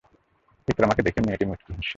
ইকরামাকে দেখে মেয়েটি মুচকি হাসে।